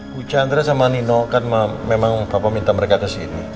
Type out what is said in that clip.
bu sandra sama nino kan memang papa minta mereka kesini